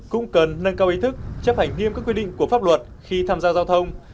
cũng cần nâng cao ý thức chấp hành nghiêm các quy định của pháp luật khi tham gia giao thông